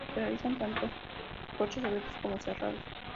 Se realizaron tanto coches abiertos como cerrados.